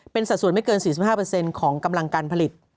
เป็นสัดส่วนไม่เกิน๔๕ของกำลังการผลิต